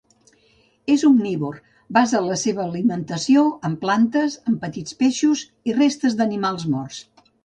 És omnívor: basa la seva alimentació en plantes, en petits peixos i restes d’animals morts.